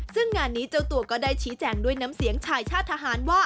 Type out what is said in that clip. ซึ่งงานนี้เจ้าตัวก็ได้ชี้แจงด้วยน้ำเสียงชายชาติทหารว่า